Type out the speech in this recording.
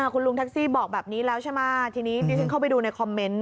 คุณลุงแท็กซี่บอกแบบนี้แล้วใช่ไหมทีนี้ดิฉันเข้าไปดูในคอมเมนต์